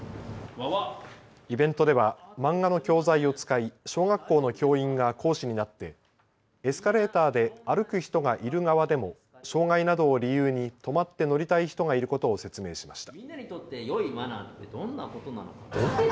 イベントでは漫画の教材を使い小学校の教員が講師になってエスカレーターで歩く人がいる側でも障害などを理由に止まって乗りたい人がいることを説明しました。